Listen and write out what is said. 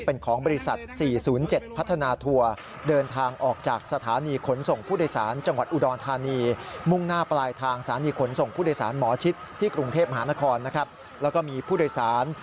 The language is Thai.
เป็นของบริษัท๔๐๗พัฒนาทัวร์